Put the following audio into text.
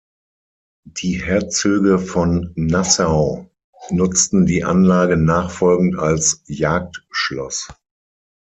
Die Herzöge von Nassau nutzten die Anlage nachfolgend als Jagdschloss.